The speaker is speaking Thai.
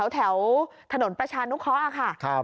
แถวถนนประชานุคอค่ะ